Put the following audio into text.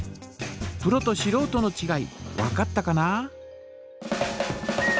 プロとしろうとのちがい分かったかな？